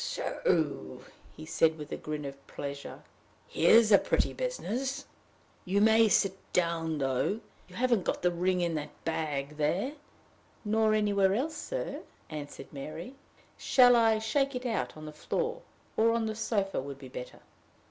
"So!" he said, with a grin of pleasure. "Here's a pretty business! You may sit down, though. You haven't got the ring in that bag there?" "Nor anywhere else, sir," answered Mary. "Shall I shake it out on the floor? or on the sofa would be better."